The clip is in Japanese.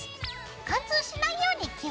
貫通しないように気をつけてね。